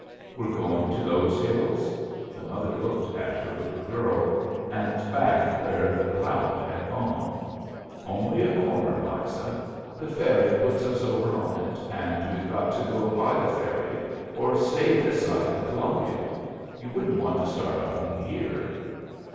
"We're going to those hills?" The mother looked at her little girl and back where the cloud had gone. "Only a corner, Liza. The ferry puts us over on it, and we've got to go by the ferry or stay this side of the Columbia. You wouldn't want to start a home here?"